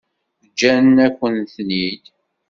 Ǧǧan-akent-ten-id.